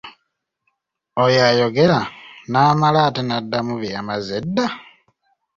Oyo ayogera, n'amala ate n'addamu bye yamaze edda!